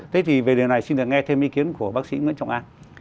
thế thì về điều này xin được nghe thêm ý kiến của bác sĩ nguyễn trọng an